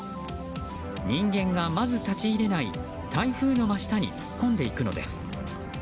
人間がまず立ち入れない台風の真下に突っ込んでいくのです。